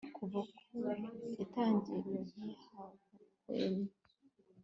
Kuva ku itangiriro ntiyahwemye